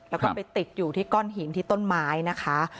แล้วก็ไปติดอยู่ที่ก้อนหินที่ต้นไม้นะคะ